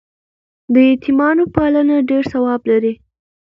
د یتیمانو پالنه ډېر ثواب لري.